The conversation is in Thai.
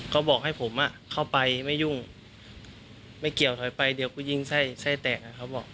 เขาบอกให้ผมเข้าไปไม่ยุ่งไม่เกี่ยวถอยไปเดี๋ยวกูยิงไส้ไส้แตกเขาบอก